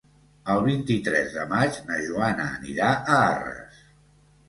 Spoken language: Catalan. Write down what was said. El vint-i-tres de maig na Joana anirà a Arres.